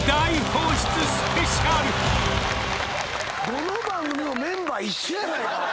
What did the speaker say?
どの番組もメンバー一緒やないか！